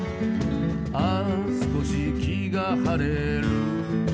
「ああ少し気が晴れる」